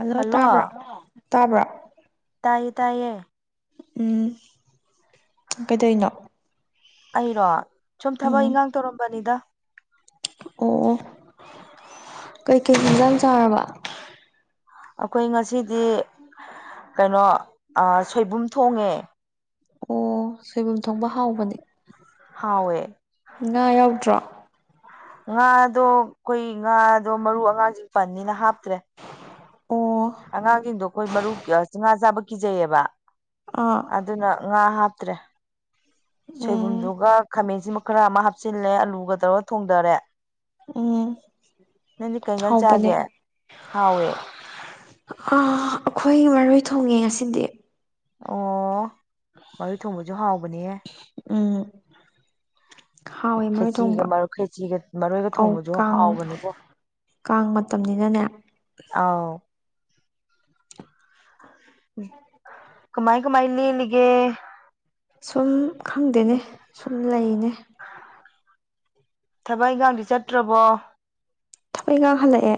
ꯑꯗꯣ ꯍꯜꯂꯣ ꯇꯥꯕ꯭ꯔꯣ ꯇꯥꯕ꯭ꯔꯣ ꯇꯥꯏꯌꯦ ꯇꯥꯏꯌꯦ ꯎꯝ ꯀꯩꯗꯩꯅꯣ ꯑꯩꯔꯣ ꯁꯨꯝ ꯊꯕꯛ ꯎꯝ ꯏꯟꯈꯥꯡ ꯇꯧꯔꯝꯕꯅꯤꯗ ꯑꯣ ꯀꯩꯀꯩ ꯍꯤꯟꯖꯥꯡ ꯆꯥꯔꯕ ꯑꯩꯈꯣꯏ ꯉꯁꯤꯗꯤ ꯀꯩꯅꯣ ꯁꯣꯏꯕꯨꯝ ꯊꯣꯡꯉꯦ ꯑꯣ ꯁꯣꯏꯕꯨꯝ ꯊꯣꯡꯕ ꯍꯥꯎꯕꯅꯦ ꯍꯥꯋꯦ ꯉꯥ ꯌꯥꯎꯗ꯭ꯔꯣ ꯉꯥꯗꯣ ꯑꯩꯈꯣꯏ ꯉꯥꯗꯣ ꯃꯔꯨ ꯑꯉꯥꯡꯖꯤꯡ ꯄꯅꯤꯅ ꯍꯥꯞꯇ꯭ꯔꯦ ꯑꯣ ꯑꯉꯥꯡꯁꯤꯡꯗꯣ ꯑꯩꯈꯣꯏ ꯃꯔꯨ ꯆꯉꯥ ꯆꯥꯕ ꯀꯤꯖꯩꯌꯦꯕ ꯑꯥ ꯑꯗꯨꯅ ꯉꯥ ꯍꯥꯞꯇ꯭ꯔꯦ ꯎꯝ ꯁꯣꯏꯕꯨꯝꯗꯨꯒ ꯈꯥꯃꯦꯟꯁꯤꯃ ꯈꯔ ꯑꯃ ꯍꯥꯞꯆꯤꯜꯂꯦ ꯑꯂꯨꯒ ꯇꯧꯔꯒ ꯊꯣꯡꯗꯔꯦ ꯎꯝ ꯅꯪꯗꯤ ꯀꯩ ꯏꯟꯖꯥꯡ ꯍꯥꯎꯕꯅꯦ ꯆꯥꯒꯦ ꯍꯥꯎꯋꯦ ꯑꯩꯈꯣꯏ ꯃꯔꯣꯏ ꯊꯣꯡꯉꯦ ꯑꯁꯤꯗꯤ ꯑꯣ ꯃꯔꯣꯏ ꯊꯣꯡꯕꯁꯨ ꯍꯥꯎꯕꯅꯦ ꯎꯝ ꯍꯥꯎꯋꯦ ꯃꯔꯣꯏ ꯈꯦꯆꯤꯒ ꯊꯣꯡꯕ ꯃꯔꯣꯏ ꯈꯦꯆꯤꯒ ꯃꯔꯣꯏꯒ ꯑꯧ ꯊꯣꯡꯕꯁꯨ ꯀꯥꯡ ꯍꯥꯎꯕꯅꯦꯕꯣ ꯀꯥꯡ ꯃꯇꯝꯅꯤꯅꯅꯦ ꯑꯥꯎ ꯀꯃꯥꯏ ꯀꯃꯥꯏ ꯂꯦꯜꯂꯤꯒꯦ ꯁꯨꯝ ꯈꯪꯗꯦꯅꯦ ꯁꯨꯝ ꯂꯩꯅꯦ ꯊꯕꯛ ꯏꯪꯒꯥꯡꯗꯤ ꯆꯠꯇ꯭ꯔꯕꯣ ꯊꯕꯛꯏ ꯏꯒꯥꯡ ꯍꯜꯂꯛꯑꯦ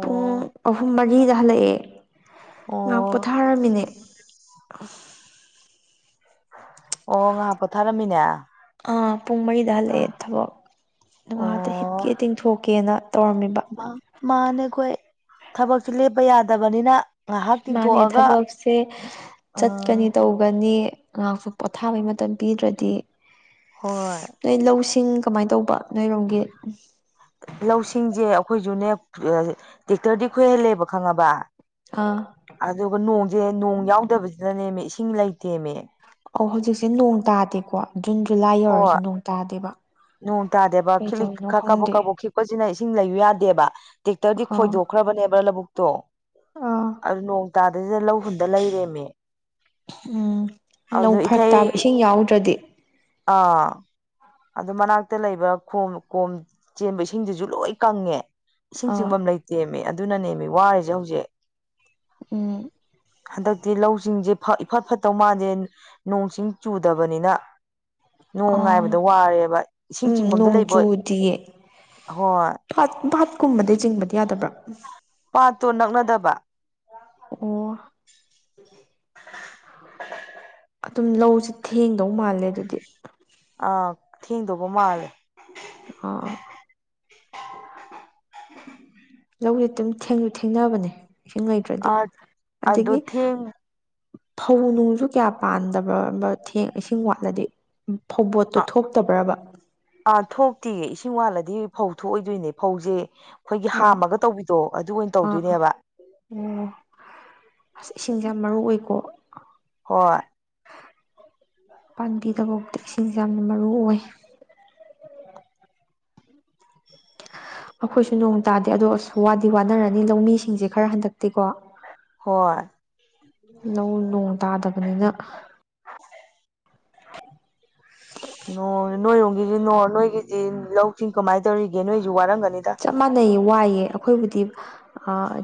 ꯄꯨꯡ ꯑꯍꯨꯝ ꯃꯔꯤꯗ ꯍꯜꯂꯛꯑꯦ ꯉꯍꯥꯛ ꯑꯣ ꯄꯣꯊꯥꯔꯝꯃꯤꯅꯦ ꯑꯣ ꯉꯥꯏꯍꯥꯛ ꯄꯣꯊꯥꯔꯝꯃꯤꯅꯦ ꯑꯥ ꯄꯨꯡ ꯃꯔꯤꯗ ꯍꯜꯂꯛꯑꯦ ꯊꯕꯛ ꯉꯍꯥꯛꯇ ꯑꯣ ꯍꯤꯠꯀꯦ ꯇꯤꯡꯊꯣꯛꯀꯦꯅ ꯇꯧꯔꯝꯃꯤꯕ ꯃꯥꯅꯦ ꯑꯩꯈꯣꯏ ꯊꯕꯛꯁꯦ ꯂꯦꯞꯄ ꯌꯥꯗꯕꯅꯤꯅ ꯉꯥꯏꯍꯥꯛ ꯃꯥꯅꯦ ꯇꯤꯡꯊꯣꯛꯑꯒ ꯊꯕꯛꯁꯦ ꯆꯠꯀꯅꯤ ꯎꯝ ꯇꯧꯕ ꯒꯅꯤ ꯉꯍꯥꯛꯁꯨ ꯄꯣꯊꯥꯕꯩ ꯃꯇꯝ ꯄꯤꯗ꯭ꯔꯗꯤ ꯍꯣꯏ ꯅꯣꯏ ꯂꯧꯁꯤꯡ ꯀꯃꯥꯏꯅ ꯇꯧꯕ ꯅꯣꯏꯔꯣꯝꯒꯤ ꯂꯧꯁꯤꯡꯖꯦ ꯑꯩꯈꯣꯏꯁꯨꯅꯦ ꯇꯦꯛꯇꯔꯗꯤ ꯈꯣꯏꯍꯜꯂꯦꯕ ꯈꯪꯉꯕ ꯑꯥ ꯑꯗꯨꯒ ꯅꯣꯡꯖꯦ ꯅꯣꯡ ꯌꯥꯎꯗꯕꯁꯤꯗꯅꯦꯃꯦ ꯏꯁꯤꯡ ꯂꯩꯇꯦꯃꯦ ꯑꯧ ꯍꯧꯖꯤꯛꯁꯦ ꯅꯣꯡ ꯇꯥꯗꯦꯀꯣ ꯖꯨꯟ ꯖꯨꯂꯥꯏ ꯌꯧꯔꯁꯦ ꯍꯣꯏ ꯅꯣꯡ ꯇꯥꯗꯦꯕ ꯅꯣꯡ ꯇꯥꯗꯦꯕ ꯀꯩ ꯈꯤꯠꯂꯤꯛ ꯇꯧꯔꯤꯅꯣ ꯀꯥꯕꯣꯛ ꯈꯪꯗꯦ ꯀꯥꯕꯣꯛ ꯈꯤꯛꯄꯁꯤꯅ ꯏꯁꯤꯡ ꯂꯩꯌꯨ ꯌꯥꯗꯦꯕ ꯇꯦꯛꯇꯔꯗꯤ ꯑꯥ ꯈꯣꯏꯗꯣꯛꯈ꯭ꯔꯕꯅꯦꯕ꯭ꯔꯥ ꯂꯧꯕꯨꯛꯇꯣ ꯑꯥ ꯑꯗꯨ ꯅꯣꯡ ꯍꯇꯥꯗꯩꯁꯤꯗ ꯂꯧ ꯍꯨꯟꯗ ꯂꯩꯔꯦꯃꯦ ꯎꯝ ꯂꯧ ꯑꯗꯨ ꯏꯊꯩ ꯐꯔꯛꯇꯥꯕ ꯏꯁꯤꯡ ꯌꯥꯎꯗ꯭ꯔꯥꯗꯤ ꯑꯥ ꯑꯗꯨ ꯃꯅꯥꯛꯇ ꯂꯩꯕ ꯈꯣꯝ ꯀꯣꯝ ꯆꯦꯟꯕ ꯏꯁꯤꯡꯗꯨꯁꯨ ꯂꯣꯏ ꯀꯪꯉꯦ ꯏꯁꯤꯡ ꯑꯥ ꯆꯤꯡꯐꯝ ꯂꯩꯇꯦꯃꯤ ꯑꯗꯨꯅꯅꯦꯃꯤ ꯋꯥꯔꯤꯁꯦ ꯍꯧꯖꯤꯛ ꯎꯝ ꯍꯟꯗꯛꯇꯤ ꯂꯧꯁꯤꯡꯁꯦ ꯏꯐꯠ ꯐꯠꯇꯧ ꯃꯥꯟꯗꯦ ꯅꯣꯡ ꯁꯤꯡ ꯆꯨꯗꯕꯅꯤꯅ ꯑ ꯅꯣꯡ ꯉꯥꯏꯕꯗ ꯋꯥꯔꯦꯕ ꯏꯁꯤꯡ ꯎꯝ ꯆꯤꯡꯐꯝꯗ ꯂꯩꯕ ꯅꯣꯡꯖꯨꯗꯤꯌꯦ ꯍꯣꯏ ꯄꯥꯠ ꯄꯥꯠꯀꯨꯝꯕꯗꯩ ꯆꯤꯡꯕꯗꯤ ꯌꯥꯗꯕ꯭ꯔꯥ ꯄꯥꯠꯇꯣ ꯅꯛꯅꯗꯕ ꯑꯣ [unintelligible] [inaudible] ꯑꯗꯨꯝ ꯂꯧꯁꯦ ꯊꯦꯡꯗꯧ ꯃꯥꯜꯂꯦ ꯑꯗꯨꯗꯤ ꯑꯥ ꯊꯦꯡꯗꯧꯕ ꯃꯥꯜꯂꯦ ꯑ ꯂꯧꯁꯦ ꯑꯗꯨꯝ ꯊꯦꯡꯁꯨ ꯊꯦꯡꯅꯕꯅꯦ ꯏꯁꯤꯡ ꯂꯩꯇ꯭ꯔꯗꯤ ꯑꯥ ꯑꯗꯣ ꯑꯗꯒꯤ ꯊꯦꯡ ꯐꯧ ꯅꯨꯡꯁꯨ ꯀꯌꯥ ꯄꯥꯟꯗꯕ꯭ꯔꯥꯕ ꯊꯦꯡ ꯏꯁꯤꯡ ꯋꯥꯠꯂꯗꯤ ꯐꯧꯕꯣꯠꯇꯣ ꯑ ꯊꯣꯛꯇꯕ꯭ꯔꯕ ꯑꯥ ꯊꯣꯛꯇꯦ ꯏꯁꯤꯡ ꯋꯥꯠꯂꯗꯤ ꯐꯧ ꯊꯣꯛꯑꯣꯏꯗꯣꯏꯅꯦ ꯐꯧꯁꯦ ꯑꯩꯈꯣꯏꯒꯤ ꯑꯥ ꯍꯥꯝꯃꯒ ꯇꯧꯕꯤꯗꯣ ꯑꯗꯨ ꯑꯣꯏꯅ ꯑꯥ ꯑꯥ ꯇꯧꯗꯣꯏꯅꯦꯕ ꯑꯣ ꯑꯁ ꯏꯁꯤꯡꯁꯦ ꯌꯥꯝ ꯃꯔꯨ ꯑꯣꯏꯀꯣ ꯍꯣꯏ ꯄꯥꯝꯕꯤꯗꯐꯥꯎꯗ ꯏꯁꯤꯡꯁꯦ ꯌꯥꯝꯅ ꯃꯔꯨ ꯑꯣꯏ ꯑꯩꯈꯣꯏꯁꯨ ꯅꯣꯡ ꯇꯥꯗꯦ ꯑꯗꯣ ꯑꯁ ꯋꯥꯗꯤ ꯋꯥꯅꯔꯅꯤ ꯂꯧꯃꯤꯁꯤꯡꯁꯦ ꯈꯔ ꯍꯟꯗꯛꯇꯤꯀꯣ ꯍꯣꯏ ꯂꯧ ꯅꯣꯡ ꯇꯥꯗꯕꯅꯤꯅ [unintelligible] ꯅꯣꯏꯔꯣꯝꯒꯤꯁꯤ ꯅꯣꯏꯒꯤꯗꯤ ꯂꯧꯁꯤꯡ ꯀꯃꯥꯏꯅ ꯇꯧꯔꯤꯒꯦ ꯅꯣꯏꯁꯨ ꯋꯥꯔꯝꯒꯅꯤꯗ ꯆꯞ ꯃꯥꯟꯅꯩꯌꯦ ꯋꯥꯏꯌꯦ ꯑꯩꯈꯣꯏꯕꯨꯗꯤ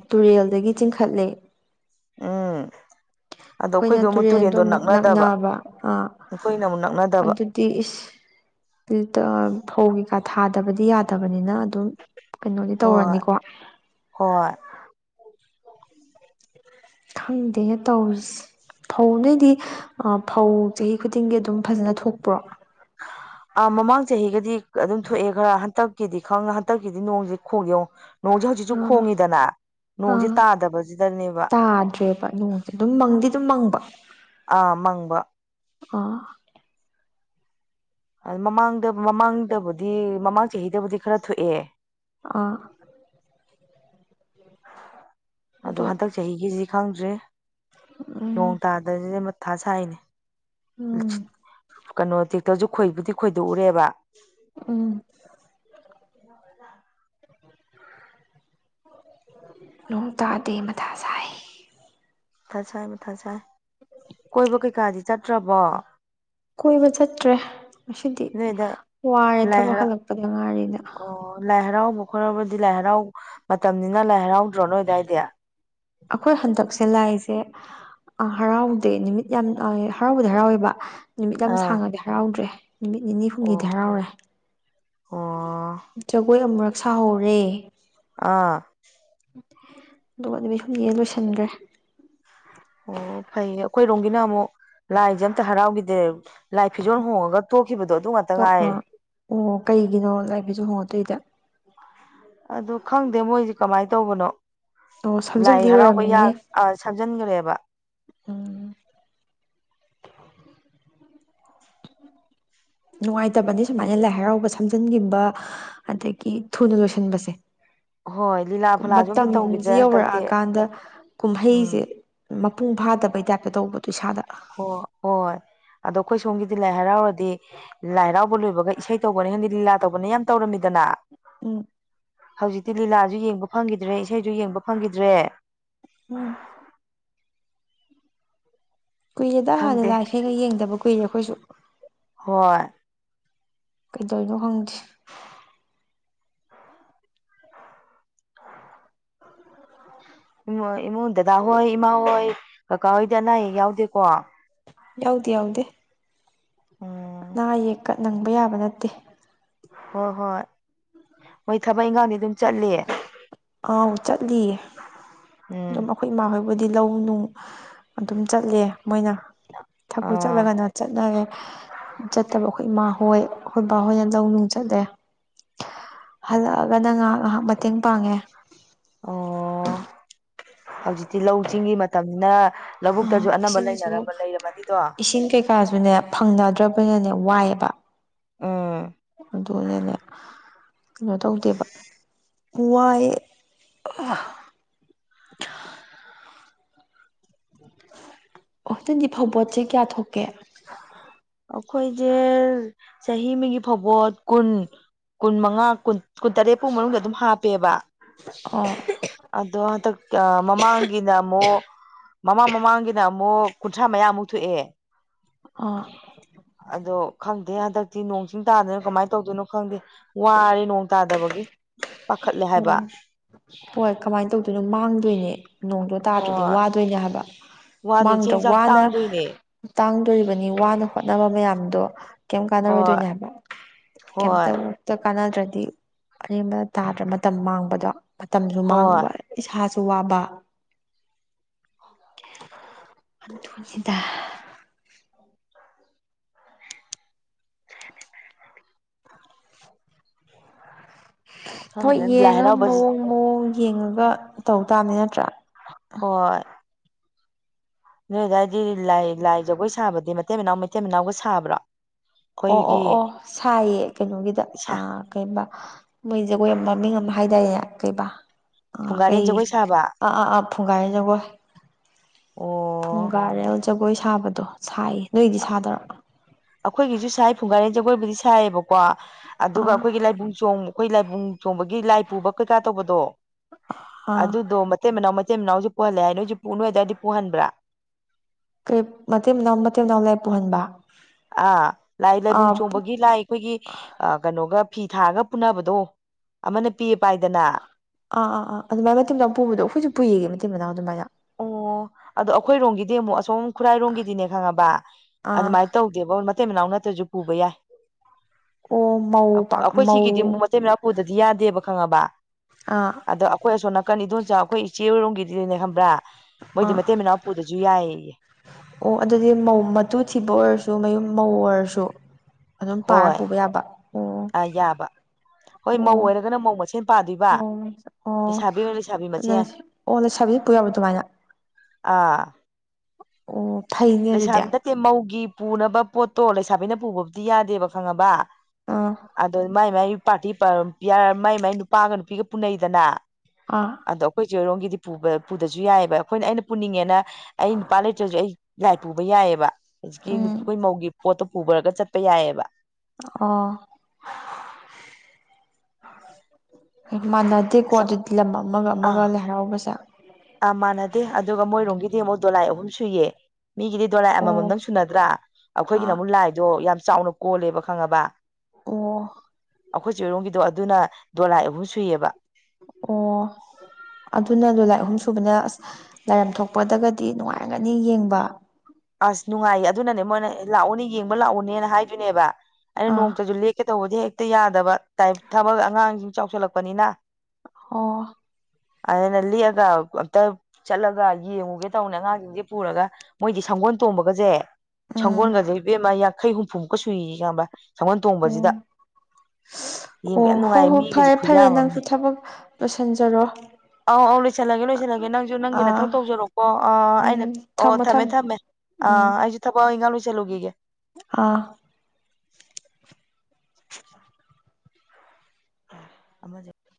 ꯇꯨꯔꯦꯜꯗꯒꯤ ꯆꯤꯡꯈꯠꯂꯦ ꯎꯝ ꯑꯗꯣ ꯑꯩꯈꯣꯏꯅ ꯑꯩꯈꯣꯏꯗꯣ ꯑꯃꯨꯛ ꯇꯨꯔꯦꯟꯗꯣ ꯑꯃꯨꯛ ꯅꯛꯅꯗꯕ ꯅꯛꯅꯕ ꯑꯩꯈꯣꯏꯅ ꯑꯃꯨꯛ ꯅꯛꯅꯗꯕ ꯇꯤ ꯏꯁ [unintelligible] ꯐꯧ ꯀꯩꯀꯥ ꯊꯥꯗꯕꯗꯤ ꯌꯥꯗꯕꯅꯤꯅ ꯑꯗꯨꯝ ꯀꯩꯅꯣꯗꯤ ꯍꯣꯏ ꯇꯧꯔꯅꯤꯀꯣ ꯍꯣꯏ ꯈꯪꯗꯦ ꯇꯧꯔꯤꯁꯤ ꯐꯧ ꯅꯣꯏꯗꯤ ꯑꯥ ꯐꯧ ꯆꯍꯤ ꯈꯨꯗꯤꯡꯒꯤ ꯑꯗꯨꯝ ꯐꯖꯅ ꯊꯣꯛꯄ꯭ꯔꯣ ꯑ ꯃꯃꯥꯡ ꯆꯍꯤꯒꯗꯤ ꯑꯗꯨꯝ ꯊꯣꯛꯑꯦ ꯈꯔꯥ ꯍꯟꯇꯛꯀꯤꯗꯤ ꯈꯪ ꯍꯟꯇꯛꯀꯤꯗꯤ ꯅꯣꯡꯁꯤ [unintelligible] ꯅꯣꯡꯁꯦ ꯍꯧꯖꯤꯛꯁꯨ ꯈꯣꯡꯉꯤꯗꯅ ꯑ ꯅꯣꯡꯁꯦ ꯇꯥꯗꯕꯁꯤꯗꯅꯦꯕ ꯇꯥꯗ꯭ꯔꯦꯕ ꯅꯣꯡꯁꯦ ꯑꯗꯨꯝ ꯃꯪꯗꯤ ꯑꯗꯨꯝ ꯃꯪꯕ ꯑ ꯃꯪꯕ ꯑ ꯃꯃꯥꯡꯗ ꯃꯃꯥꯡꯗꯕꯨꯗꯤ ꯃꯃꯥꯡ ꯆꯍꯤꯗꯕꯨꯗꯤ ꯈꯔꯥ ꯊꯣꯛꯑꯦ ꯑꯥ ꯑꯗꯣ ꯍꯟꯗꯛ ꯆꯍꯤꯒꯤꯁꯤ ꯈꯪꯗ꯭ꯔꯦ ꯎꯝ ꯅꯣꯡ ꯇꯥꯗꯕꯁꯤꯗ ꯃꯊꯥ ꯁꯥꯏꯅꯦ ꯎꯝ ꯀꯩꯅꯣ ꯇꯦꯛꯇ꯭ꯔꯁꯨ ꯈꯣꯏꯕꯨꯗꯤ ꯈꯣꯏꯗꯣꯛꯑꯨꯔꯦꯕ ꯎꯝ ꯅꯣꯡ ꯇꯥꯗꯦ ꯃꯊꯥ ꯁꯥꯏ ꯃꯊꯥ ꯁꯥꯏ ꯃꯊꯥ ꯁꯥꯏ ꯀꯣꯏꯕ ꯀꯩꯀꯥꯗꯤ ꯆꯠꯇ꯭ꯔꯕꯣ ꯀꯣꯏꯕ ꯆꯠꯇ꯭ꯔꯦ ꯉꯁꯤꯗꯤ ꯅꯣꯏꯗ ꯋꯥꯔꯦ ꯂꯥꯏ ꯊꯕꯛ ꯍꯔꯥꯎ ꯍꯜꯂꯛꯄꯗ ꯉꯥꯏꯔꯤꯅ ꯑꯣ ꯂꯥꯏ ꯍꯔꯥꯎꯕ ꯈꯣꯠꯂꯔꯕꯗꯤ ꯂꯥꯏ ꯍꯔꯥꯎ ꯃꯇꯝꯅꯤꯅ ꯂꯥꯏ ꯍꯔꯥꯎꯗ꯭ꯔꯣ ꯅꯣꯏ ꯑꯗꯥꯏꯗꯤ ꯑꯩꯈꯣꯏ ꯍꯟꯗꯛꯁꯦ ꯂꯥꯏꯁꯦ ꯑ ꯍꯔꯥꯎꯗꯦ ꯅꯨꯃꯤꯠ ꯌꯥꯝ ꯑ ꯍꯔꯥꯎꯕꯗꯤ ꯍꯔꯥꯎꯋꯦꯕ ꯅꯨꯃꯤꯠ ꯌꯥꯝ ꯁꯥꯡꯉꯗꯤ ꯍꯔꯥꯎꯗ꯭ꯔꯦ ꯅꯨꯃꯤꯠ ꯅꯤꯅꯤ ꯍꯨꯝꯅꯤꯗꯤ ꯑꯣ ꯍꯔꯥꯎꯔꯦ ꯑꯣ ꯖꯒꯣꯏ ꯑꯃꯨꯔꯛ ꯁꯥꯍꯧꯔꯦ ꯑꯥ ꯑꯗꯨꯒ ꯅꯨꯃꯤꯠ ꯍꯨꯝꯅꯤꯗ ꯂꯣꯏꯁꯤꯟꯒ꯭ꯔꯦ ꯑꯣ ꯐꯩꯌꯦ ꯑꯩꯈꯣꯏꯔꯣꯝꯒꯤꯅ ꯑꯃꯨꯛ ꯂꯥꯏꯖꯦ ꯑꯝꯇ ꯍꯔꯥꯎꯒꯤꯗꯦ ꯂꯥꯏ ꯐꯤꯖꯣꯜ ꯍꯣꯡꯉꯒ ꯇꯣꯛꯈꯤꯕꯗꯣ ꯑꯗꯨ ꯉꯥꯛꯇ ꯑꯗꯣ ꯉꯥꯏꯔꯦ ꯑꯣ ꯀꯩꯒꯤꯅꯣ ꯂꯥꯏ ꯐꯤꯖꯣꯜ ꯍꯣꯡꯉ ꯇꯣꯛꯏꯗꯤ ꯑꯗꯣ ꯈꯪꯗꯦ ꯃꯣꯏꯖꯦ ꯀꯃꯥꯏ ꯇꯧꯕꯅꯣ ꯑꯣ ꯂꯥꯏ ꯁꯝꯖꯜꯂꯤ ꯍꯔꯥꯎꯕ ꯌꯥ ꯑꯣꯏꯔꯝꯃꯅꯤ ꯑ ꯁꯝꯖꯟꯒ꯭ꯔꯦꯕ ꯎꯝ ꯅꯨꯡꯉꯥꯏꯇꯕꯅꯤ ꯁꯨꯃꯥꯏꯅ ꯂꯥꯏ ꯍꯔꯥꯎꯕ ꯁꯝꯖꯟꯒꯤꯕ ꯑꯗꯒꯤ ꯊꯨꯅ ꯂꯣꯏꯁꯤꯟꯕꯁꯦ ꯍꯣꯏ ꯂꯤꯂꯥ ꯐꯂꯥꯁꯨ ꯑꯝꯇ ꯃꯇꯝꯖꯤ ꯇꯧꯈꯤꯗ꯭ꯔꯦ ꯌꯧꯔꯛ ꯍꯟꯗꯛꯇꯤ ꯑꯀꯥꯟꯗ ꯀꯨꯝꯍꯩꯖꯦ ꯎꯝ ꯃꯄꯨꯡ ꯐꯥꯗꯕꯩ ꯇꯥꯏꯞꯇ ꯇꯧꯕꯗꯣ ꯏꯁꯥꯗ ꯍꯣ ꯍꯣꯏ ꯑꯗꯣ ꯑꯩꯈꯣꯏ ꯁꯣꯝꯒꯤꯗꯤ ꯂꯥꯏ ꯍꯔꯥꯎꯔꯗꯤ ꯂꯥꯏ ꯍꯔꯥꯎꯕ ꯂꯣꯏꯕꯒ ꯏꯁꯩ ꯇꯧꯕꯅꯦ ꯈꯪꯗꯦ ꯂꯤꯂꯥ ꯇꯧꯕꯅꯦ ꯌꯥꯝ ꯇꯧꯔꯝꯃꯤꯗꯅ ꯎꯝ ꯍꯧꯖꯤꯛꯇꯤ ꯂꯤꯂꯥꯖꯨ ꯌꯦꯡꯕ ꯐꯪꯒꯤꯗ꯭ꯔꯦ ꯏꯁꯩꯖꯨ ꯌꯦꯡꯕ ꯐꯪꯒꯤꯗ꯭ꯔꯦ ꯎꯝ ꯀꯨꯏꯔꯦꯗ ꯈꯪꯗꯦ ꯂꯤꯂꯥ ꯏꯁꯩꯒ ꯌꯦꯡꯗꯕ ꯀꯨꯏꯔꯦ ꯑꯩꯈꯣꯏꯁꯨ ꯍꯣꯏ ꯀꯩꯗꯧꯔꯤꯅꯣ ꯈꯪꯗꯦ ꯏꯃꯨ ꯏꯃꯨꯡ ꯗꯗꯥ ꯍꯣꯏ ꯏꯃꯥ ꯍꯣꯏ ꯀꯀꯥ ꯍꯣꯏꯗꯤ ꯑꯅꯥ ꯑꯌꯦꯛ ꯌꯥꯎꯗꯦꯀꯣ ꯌꯥꯎꯗꯦ ꯌꯥꯎꯗꯦ ꯎꯝ ꯑꯅꯥ ꯑꯌꯦꯛꯀ ꯅꯪꯕ ꯌꯥꯕ ꯅꯠꯇꯦ ꯍꯣ ꯍꯣꯏ ꯃꯣꯏ ꯊꯕꯛ ꯏꯪꯈꯥꯡꯗꯤ ꯑꯗꯨꯝ ꯆꯠꯂꯤ ꯑꯥꯎ ꯆꯠꯂꯤꯌꯦ ꯎꯝ ꯑꯗꯨꯝ ꯑꯩꯈꯣꯏ ꯏꯃꯥ ꯍꯣꯏꯕꯨꯗꯤ ꯂꯧ ꯅꯨꯡ ꯑꯗꯨꯝ ꯆꯠꯂꯦ ꯃꯣꯏꯅ ꯊꯕꯛ ꯑꯥ ꯆꯠꯂꯒꯅ ꯆꯠꯅꯔꯦ ꯆꯠꯇꯕ ꯑꯩꯈꯣꯏ ꯏꯃꯥꯍꯣꯏ ꯑꯩꯈꯣꯏ ꯕꯥꯍꯣꯏꯅ ꯂꯧꯅꯨꯡ ꯆꯠꯂꯦ ꯍꯜꯂꯛꯑꯒꯅ ꯉꯍꯥꯛ ꯉꯍꯥꯛ ꯃꯇꯦꯡ ꯄꯥꯡꯉꯦ ꯑꯣ ꯍꯧꯖꯤꯛꯇꯤ ꯂꯧꯆꯤꯡꯒꯤ ꯃꯇꯝꯅꯤꯅ ꯂꯧꯕꯨꯛꯇꯖꯨ ꯑꯅꯝꯕ ꯂꯩꯅꯔꯝꯕ ꯂꯩꯔꯝꯃꯅꯤꯗꯣ ꯀꯥꯖꯨꯅꯦ ꯐꯪꯅꯗ꯭ꯔꯕꯅꯤꯅꯅꯦ ꯋꯥꯏꯌꯦꯕ ꯎꯝ ꯑꯗꯨꯅꯦꯃꯦ ꯀꯩꯅꯣ ꯇꯧꯗꯦꯕ ꯋꯥꯏ ꯑꯣ [unintelligible] ꯐꯧꯕꯣꯠꯁꯦ ꯀꯌꯥ ꯊꯣꯛꯀꯦ ꯑꯩꯈꯣꯏꯖꯦ ꯆꯍꯤ ꯑꯃꯒꯤ ꯐꯥꯎꯕꯣꯠ ꯀꯨꯟ ꯀꯨꯟꯃꯉꯥ ꯀꯨꯟ ꯀꯨꯟꯇꯔꯦꯠ ꯄꯧ ꯃꯅꯨꯡꯗ ꯑꯗꯨꯝ ꯍꯥꯞꯄꯦꯕ ꯑꯣ ꯑꯗꯣ ꯍꯟꯗꯛ ꯃꯃꯥꯡꯒꯤꯅ ꯑꯃꯨꯛ ꯃꯃꯥꯡ ꯃꯃꯥꯡꯒꯤꯅ ꯑꯃꯨꯛ ꯀꯨꯟꯊ꯭ꯔꯥ ꯃꯌꯥꯃꯨꯛ ꯊꯣꯛꯑꯦ ꯑꯥ꯫ ꯑꯗꯣ ꯈꯪꯗꯦ ꯍꯟꯗꯛꯇꯤ ꯅꯣꯡꯁꯤꯡ ꯇꯥꯗꯅꯣ ꯀꯃꯥꯏꯅ ꯇꯧꯗꯣꯏꯅꯣ ꯈꯪꯗꯦ꯫ ꯋꯥꯔꯦ ꯅꯣꯡ ꯇꯥꯗꯕꯒꯤ ꯄꯥꯈꯠꯂꯦ ꯍꯥꯏꯕ꯫ ꯎꯝ ꯍꯣꯏ ꯀꯃꯥꯏꯅ ꯇꯧꯗꯣꯏꯅꯣ ꯃꯥꯡꯗꯣꯏꯅꯦ ꯅꯣꯡꯗꯣ ꯇꯥꯗ꯭ꯔꯗꯤ ꯍꯣꯏ ꯋꯥꯗꯣꯏꯅꯦ ꯍꯥꯏꯕ꯫ ꯋꯥꯗꯣꯏ ꯃꯥꯡꯗ꯭ꯔꯣ ꯆꯦꯡ ꯆꯥꯛ ꯋꯥꯅ ꯇꯥꯡꯗꯣꯏꯅꯦ ꯇꯥꯡꯗꯣꯔꯤꯕꯅꯤ ꯋꯥꯅ ꯍꯣꯠꯅꯕ ꯃꯌꯥꯝꯗꯣ꯫ ꯀꯩꯝ ꯍꯣꯏ ꯀꯥꯟꯅꯔꯣꯏꯗꯣꯏꯅꯦ ꯍꯥꯏꯕ ꯍꯣꯏ ꯀꯝꯇ ꯀꯥꯟꯅꯗ꯭ꯔꯗꯤ ꯑꯔꯦꯝꯕ ꯇꯥꯗ꯭ꯔ ꯃꯇꯝ ꯃꯥꯡꯕꯗꯣ ꯃꯇꯝꯁꯨ ꯍꯣꯏ ꯃꯥꯡꯕ ꯏꯁꯥꯁꯨ ꯋꯥꯕ꯫ ꯑꯗꯨ ꯅꯤꯗ꯫ [inaudible] [inaudible] ꯍꯣꯏ ꯈꯪꯗꯦ ꯂꯥꯏ ꯌꯦꯡꯉ ꯍꯔꯥꯎꯕꯁꯤ ꯃꯑꯣꯡ ꯃꯑꯣꯡ ꯌꯦꯡꯉꯒ ꯇꯧ ꯇꯥꯕꯅꯤ ꯅꯠꯇ꯭ꯔꯥ꯫ ꯍꯣꯏ꯫ ꯅꯣꯏ ꯑꯗꯥꯏꯗꯤ ꯂꯥꯏ ꯂꯥꯏ ꯖꯒꯣꯏ ꯁꯥꯕꯗꯤ ꯃꯥꯇꯩ ꯃꯅꯥꯎ ꯃꯥꯇꯩ ꯃꯅꯥꯎꯒ ꯁꯥꯕ꯭ꯔꯣ꯫ ꯑꯣ ꯑꯣ ꯑꯩꯈꯣꯏꯒꯤ ꯑꯣ ꯁꯥꯏꯌꯦ ꯀꯩꯅꯣꯒꯤꯗ ꯁꯥ ꯑꯥ꯫ ꯀꯩꯕ ꯃꯣꯏ ꯖꯒꯣꯏ ꯑꯃ ꯃꯃꯤꯡ ꯑꯃ ꯍꯥꯏꯗꯥꯏꯅꯦ ꯀꯩꯕꯥ꯫ ꯑꯥ ꯐꯨꯡꯒꯥꯔꯦꯟ ꯀꯩ ꯖꯒꯣꯏ ꯁꯥꯕ ꯑꯥ ꯑꯥ ꯑꯥ ꯐꯨꯡꯒꯥꯏꯖꯒꯣꯏ꯫ ꯑꯣ ꯃꯨꯡꯒꯥꯔꯦꯜ ꯖꯒꯣꯏ ꯁꯥꯕꯗꯣ ꯁꯥꯏ ꯅꯣꯏꯗꯤ ꯁꯥꯗ꯭ꯔꯣ꯫ ꯑꯩꯈꯣꯏꯒꯤꯁꯨ ꯁꯥꯏ ꯐꯨꯡꯒꯥꯔꯦꯟ ꯖꯒꯣꯏꯕꯨꯗꯤ ꯁꯥꯏꯌꯦꯕꯀꯣ ꯑꯗꯨꯒ ꯑꯥ ꯑꯩꯈꯣꯏꯒꯤ ꯂꯥꯏꯕꯨꯡ ꯆꯣꯡ ꯑꯩꯈꯣꯏ ꯂꯥꯏꯕꯨꯡ ꯆꯣꯡꯕꯒꯤ ꯂꯥꯏ ꯄꯨꯕ ꯀꯩꯀꯥ ꯇꯧꯕꯗꯣ ꯑꯥ ꯑꯗꯨꯗꯣ ꯃꯥꯇꯩ ꯃꯅꯥꯎ ꯃꯤꯇꯩ ꯃꯅꯥꯎꯁꯨ ꯄꯨꯍꯜꯂꯦ ꯍꯥꯏ ꯅꯣꯏꯁꯨ ꯄꯨ ꯅꯣꯏꯗꯥꯏꯗꯤ ꯄꯨꯍꯟꯕ꯭ꯔꯥ꯫ ꯀꯩ ꯃꯥꯇꯩꯅꯥꯎ ꯃꯥꯇꯩꯅꯥꯎ ꯂꯥꯏ ꯄꯨꯍꯟꯕ꯫ ꯑꯥ ꯂꯥꯏ ꯂꯥꯏꯕꯨꯡ ꯑꯥ ꯆꯣꯡꯕꯒꯤ ꯂꯥꯏ꯫ ꯑꯩꯈꯣꯏꯒꯤ ꯀꯩꯅꯣꯒ ꯐꯤ ꯊꯥꯔꯒ ꯄꯨꯅꯕꯗꯣ ꯑꯃꯅ ꯄꯤꯌꯦ ꯄꯥꯏꯗꯅ꯫ ꯑꯥ ꯑꯥ ꯑꯥ ꯑꯗꯨꯃꯥꯏꯅ ꯃꯥꯇꯩ ꯃꯅꯥꯎ ꯄꯨꯕꯗꯣ ꯑꯩꯈꯣꯏꯁꯨ ꯄꯨꯏꯌꯦ ꯃꯥꯇꯩ ꯃꯅꯥꯎ ꯑꯗꯨꯃꯥꯏꯅ꯫ ꯑꯣ ꯑꯗꯣ ꯑꯩꯈꯣꯏꯔꯣꯝꯒꯤꯗꯤ ꯑꯃꯨꯛ ꯑꯁꯣꯝ ꯈꯨꯔꯥꯏꯔꯣꯝꯒꯤꯗꯤꯅꯦ ꯈꯪꯉꯕ ꯑꯥ ꯑꯗꯨꯃꯥꯏꯅ ꯇꯧ ꯗꯦꯉꯣ ꯃꯥꯇꯩ ꯃꯅꯥꯎ ꯅꯠꯇ꯭ꯔꯁꯨ ꯄꯨꯕ ꯌꯥꯏ ꯑꯣ ꯃꯧ ꯄꯥꯛ ꯑꯩꯈꯣꯏ ꯃꯧ ꯁꯤꯒꯤꯗꯤ ꯑꯃꯨꯛ ꯃꯥꯇꯩ ꯃꯅꯥꯎ꯫ ꯄꯨꯗ꯭ꯔꯗꯤ ꯌꯥꯗꯦꯕ ꯈꯪꯉꯕ꯫ ꯑꯥ꯫ ꯑꯗꯣ ꯑꯩꯈꯣꯏ ꯑꯁꯣꯅꯥꯀꯅꯟ ꯑꯗꯣꯟꯆꯥ ꯑꯩꯈꯣꯏ ꯏꯆꯦꯔꯝꯒꯤꯗꯨꯗꯤꯅꯦ ꯈꯪꯕ꯭ꯔꯥ꯫ ꯃꯣꯏꯗꯤ ꯑꯥ ꯃꯤꯇꯩ ꯃꯅꯥꯎꯄꯨꯗ꯭ꯔꯁꯨ ꯌꯥꯏꯌꯦ꯫ ꯑꯣ ꯑꯗꯨꯗꯤ ꯃꯧ ꯃꯇꯨ ꯊꯤꯕ ꯑꯣꯏꯔꯁꯨ ꯃꯌꯨꯝ ꯃꯧ ꯑꯣꯏꯔꯁꯨ꯫ ꯑꯗꯨꯝ ꯄꯥꯔ ꯄꯨꯕ ꯌꯥꯕ꯫ ꯑꯣ ꯑꯥ ꯌꯥꯕ ꯍꯣꯏ ꯃꯧ ꯑꯣꯏꯔꯒꯅ ꯃꯧ ꯃꯁꯦꯟ ꯄꯥꯗꯣꯏꯕ꯫ ꯑꯣ ꯑꯣ ꯂꯩꯁꯥꯕꯤ ꯑꯣꯏꯔ ꯂꯩꯁꯥꯕꯤ ꯅ ꯃꯁꯦꯟ ꯑꯣ ꯅ ꯂꯩꯁꯥꯕꯤ ꯄꯨꯌꯕꯔ ꯑꯗꯨꯃꯥꯏꯅ꯫ ꯑꯥ꯫ ꯑꯣ ꯐꯩꯅꯦ ꯑꯗꯨꯗꯤ꯫ ꯂꯩꯁꯥꯕꯤ ꯅꯠꯇꯦ ꯃꯧꯒꯤ ꯄꯨꯅꯕ ꯄꯣꯠꯇꯣ ꯂꯩꯁꯥꯕꯤꯅ ꯄꯨꯕꯕꯨꯗꯤ ꯌꯥꯗꯦꯕ ꯈꯪꯉꯕ꯫ ꯑꯥ ꯑꯗꯣ ꯃꯥꯏ ꯃꯥꯏ ꯄꯥꯔꯇꯤ ꯃꯥꯏ ꯃꯥꯏ ꯅꯨꯄꯥꯒ ꯅꯨꯄꯤꯒ ꯄꯨꯅꯩꯗꯅ꯫ ꯑꯥ꯫ ꯑꯗꯣ ꯑꯩꯈꯣꯏ ꯆ‌ꯦ ꯔꯣꯝꯒꯤꯗꯤ ꯄꯨ ꯄꯨꯗꯔꯁꯨ ꯌꯥꯏꯑꯕ ꯑꯩꯈꯣꯏꯅ ꯑꯩꯅ ꯄꯨꯅꯤꯡꯉꯦꯅ ꯑꯩ ꯅꯨꯄꯥ ꯂꯩꯇ꯭ꯔꯁꯨ ꯑꯩ ꯂꯥꯏ ꯄꯨꯕ ꯌꯥꯏꯑꯕ ꯍꯧꯖꯤꯛꯀꯤ ꯎꯝ ꯑꯩꯈꯣꯏ ꯃꯧꯒꯤ ꯄꯣꯠꯇꯣ ꯄꯨꯕꯔꯒ ꯆꯠꯄ ꯌꯥꯏꯑꯕ꯫ ꯑꯣ꯫ ꯃꯥꯟꯅꯗꯦꯀꯣ ꯑꯁ ꯑꯗꯨꯗꯤ ꯂꯝ ꯑꯃꯒ ꯑꯥ ꯑꯃꯒ ꯂꯥꯏ ꯍꯔꯥꯎꯕꯁꯦ꯫ ꯑꯥ ꯃꯥꯟꯅꯗꯦ ꯑꯗꯨꯒ ꯃꯣꯏꯔꯣꯝꯒꯤꯗꯤ ꯑꯃꯨꯛ ꯗꯣꯂꯥꯏ ꯑꯍꯨꯝ ꯁꯨꯏꯌꯦ꯫ ꯃꯤꯒꯤꯗꯤ ꯗꯣꯂꯥꯏ ꯑꯣ ꯑꯃꯃꯝ ꯗꯪ ꯁꯨꯅꯗ꯭ꯔꯥ ꯑꯩꯈꯣꯏꯒꯤꯅ ꯑꯥ ꯑꯃꯨꯛ ꯂꯥꯏꯗꯣ ꯌꯥꯝ ꯆꯥꯎꯅ ꯀꯣꯜꯂꯦꯕ ꯈꯪꯉꯕ꯫ ꯑꯣ ꯑꯈꯣꯏ ꯆ‌ꯦꯍꯣꯏꯔꯣꯝꯒꯤꯗꯣ ꯑꯗꯨꯅ ꯗꯣꯂꯥꯏ ꯑꯍꯨꯝ ꯁꯨꯏꯌꯦꯕ ꯑꯣ ꯑꯗꯨꯅ ꯗꯣꯂꯥꯏ ꯑꯍꯨꯝ ꯁꯨꯕꯅ ꯑꯁ ꯂꯥꯏꯔꯝ ꯊꯣꯛꯄꯗꯒꯗꯤ ꯅꯨꯡꯉꯥꯏꯔꯒꯅꯤ ꯌꯦꯡꯕ ꯑꯁ ꯅꯨꯡꯉꯥꯏꯌꯦ ꯑꯗꯨꯅꯅꯦ ꯃꯣꯏꯅ ꯂꯥꯛꯑꯣꯅꯦ ꯌꯦꯡꯕ ꯂꯥꯛꯑꯣꯅꯦꯅ ꯍꯥꯏꯗꯣꯏꯅꯦꯕ ꯑꯩꯅ ꯑꯥ ꯅꯣꯡꯃꯇꯁꯨ ꯂꯦꯛ ꯀꯦ ꯇꯧꯕꯁꯦ ꯍꯦꯛꯇ ꯌꯥꯗꯕ ꯇꯥꯏꯞ ꯊꯕꯛ ꯑꯉꯥꯡꯁꯤꯡ ꯆꯥꯎꯁꯜꯂꯛꯄꯅꯤꯅ ꯍꯣ ꯑꯗꯨꯅ ꯂ‌ꯦꯛꯑꯒ ꯑꯝꯇ ꯆꯠꯂꯒ ꯌꯦꯡꯉꯨꯒꯦ ꯇꯧꯅꯦ ꯑꯉꯥꯡꯁꯤꯡꯁꯦ ꯄꯨꯔꯒ ꯃꯣꯏꯗꯤ ꯁꯪꯒꯣꯜ ꯇꯣꯡꯕꯒꯁꯦ ꯎꯝ ꯁꯪꯒꯣꯜꯒꯁꯦ ꯏꯕꯦꯝꯃ ꯌꯥꯡꯈꯩ ꯍꯨꯝꯐꯨꯃꯨꯛꯀ ꯁꯨꯏꯌ‌ꯦ ꯈꯪꯉꯥꯕ ꯁꯪꯒꫭꯟ ꯇꯣꯡꯕꯁꯤꯗ ꯎꯝ ꯌꯦꯡꯕ ꯑꯣ ꯌꯥꯝ ꯍꯣꯏ ꯅꯨꯡꯉꯥꯏ ꯍꯣꯏ ꯃꯤꯒꯁꯦ ꯐꯔꯦ ꯐꯔꯦ ꯈꯨꯌꯥꯝ ꯅꯪꯁꯨ ꯑꯃꯅꯦ ꯊꯕꯛ ꯂꯣꯏꯁꯤꯟꯖꯔꯣ ꯑꯧ ꯑꯧ ꯂꯣꯏꯁꯤꯜꯂꯒꯦ ꯂꯣꯏꯁꯤꯜꯂꯒꯦ ꯅꯪꯁꯨ ꯅꯪꯒꯤ ꯅꯊꯧ ꯑꯥ ꯇꯧꯖꯔꯛꯀꯣ ꯑ ꯑꯩꯅ ꯎꯝ ꯑꯣ ꯊꯝꯃꯣ ꯊꯝꯃꯦ ꯊꯝꯃꯣ ꯊꯝꯃꯦ ꯑ ꯎꯝ ꯑꯩꯁꯨ ꯊꯕꯛ ꯏꯪꯒꯥꯡ ꯂꫭꯏꯁꯜꯂꯨꯒꯤꯒ‌ꯦ ꯑꯥ ꯑ ꯑꯃꯥꯖ‌ꯦ